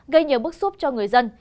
gây nhiều bức xúc cho người dân